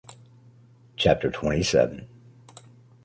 Chapter twenty seven.